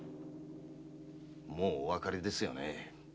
もうおわかりですよねえ？